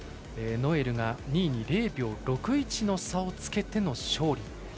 ノエルが２位に０秒６１の差をつけての勝利。